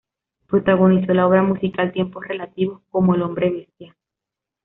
Protagonizó la obra musical "Tiempos Relativos", como el hombre bestia.